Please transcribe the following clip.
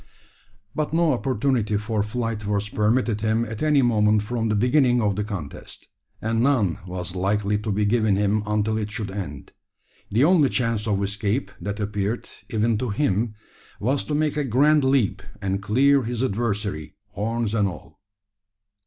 But no opportunity for flight was permitted him at any moment from the beginning of the contest; and none was likely to be given him until it should end. The only chance of escape that appeared, even to him, was to make a grand leap, and clear his adversary, horns and all.